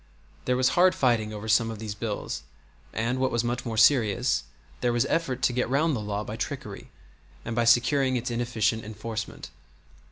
There was hard fighting over some of these bills, and, what was much more serious, there was effort to get round the law by trickery and by securing its inefficient enforcement.